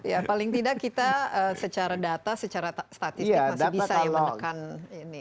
ya paling tidak kita secara data secara statistik masih bisa ya menekan ini